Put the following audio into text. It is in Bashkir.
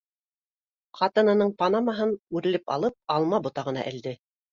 Ҡатынының панамаһын үрелеп алың алма ботағына элде